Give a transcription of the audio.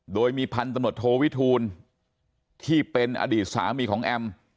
โดยมีพันธุ์ตำรวจโทวิทูลที่เป็นอดีตสามีของแอม